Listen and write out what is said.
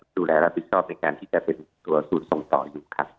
ดูแลและบิทชอบในการที่จะเป็นตัวศูนย์ตรงต่ออยู่